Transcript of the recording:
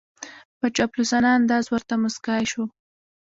په چاپلوسانه انداز ورته موسکای شو